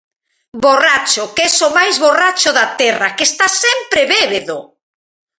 _¡Borracho, que es o máis borracho da terra, que estás sempre bébedo...!